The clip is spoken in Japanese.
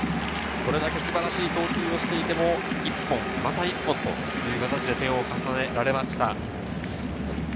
これだけ素晴らしい投球をしていても、一本また一本という形で点を重ねられました。